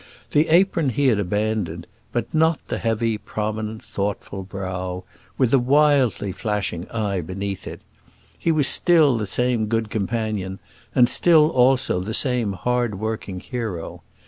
The apron he had abandoned, but not the heavy prominent thoughtful brow, with the wildly flashing eye beneath it. He was still the same good companion, and still also the same hard working hero.